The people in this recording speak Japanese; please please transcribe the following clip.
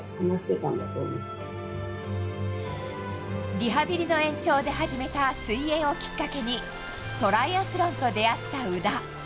リハビリの延長で始めた水泳をきっかけにトライアスロンと出会った宇田。